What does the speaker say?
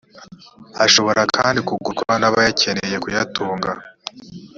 ashobora kandi kugurwa n abakeneye kuyatunga